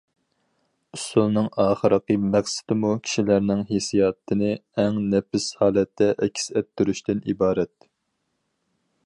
ئۇسسۇلنىڭ ئاخىرقى مەقسىتىمۇ كىشىلەرنىڭ ھېسسىياتىنى ئەڭ نەپىس ھالەتتە ئەكس ئەتتۈرۈشتىن ئىبارەت.